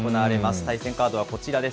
対戦カードはこちらです。